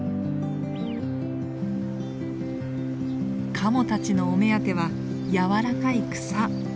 カモたちのお目当ては柔らかい草。